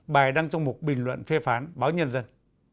bài đăng trong một bình luận phê phán báo nhân dân